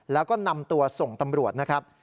แล้วก็นำตัวส่งตำรวจนะครับ